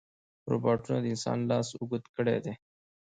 روبوټونه د انسان لاس اوږد کړی دی.